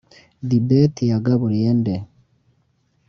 debate yagaburiye nde